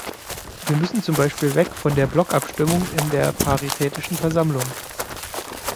Wir müssen zum Beispiel weg von der Blockabstimmung in der Paritätischen Versammlung.